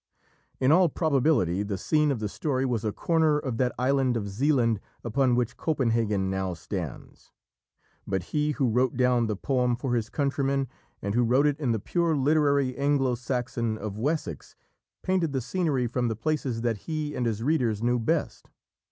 In all probability the scene of the story was a corner of that island of Saeland upon which Copenhagen now stands, but he who wrote down the poem for his countrymen and who wrote it in the pure literary Anglo Saxon of Wessex, painted the scenery from the places that he and his readers knew best.